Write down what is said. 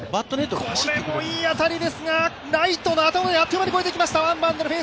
これもいい当たりですが、ライトの頭をあっという間に越えていきました。